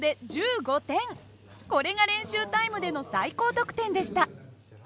これが練習タイムでの最高得点でした。